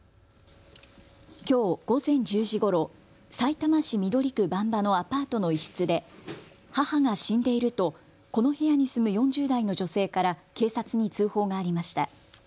きょう午前１０時ごろさいたま市緑区馬場のアパートの一室で母が死んでいるとこの部屋に住む４０代の女性から警察に通報がありました。